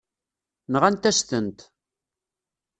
Nɣant-as-tent.